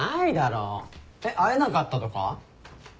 会えなかったとか？